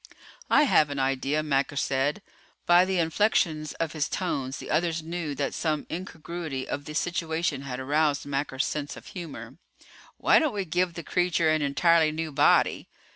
"I have an idea," Macker said. By the inflections of his tones the others knew that some incongruity of the situation had aroused Macker's sense of humor. "Why don't we give the creature an entirely new body?